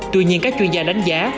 tuy nhiên các chuyên gia đánh giá